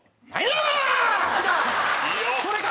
それか？